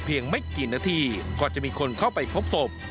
ไม่กี่นาทีก่อนจะมีคนเข้าไปพบศพ